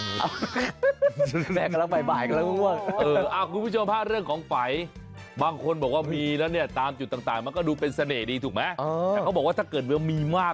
เกิดมาเพื่อเออนั่นดิผมก็ไม่ได้เตียนมา